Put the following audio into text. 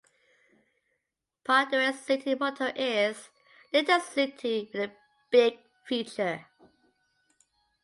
Ponderay's city motto is "Little City with the Big Future".